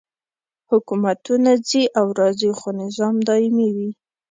حکومتونه ځي او راځي خو نظام دایمي وي.